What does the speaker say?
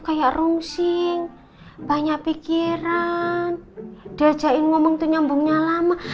kayak rungsing banyak pikiran diajain ngomong tuh nyambungnya lama